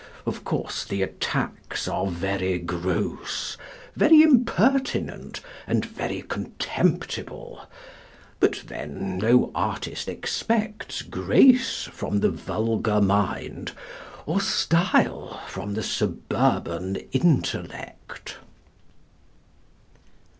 Of course, the attacks are very gross, very impertinent, and very contemptible. But then no artist expects grace from the vulgar mind, or style from the suburban intellect.